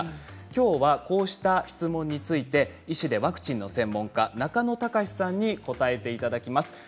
きょうはこうした質問について医師でワクチンの専門家中野貴司さんに答えていただきます。